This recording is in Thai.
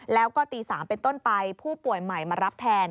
แล้วก็ตี๓เป็นต้นไปผู้ป่วยใหม่มารับแทน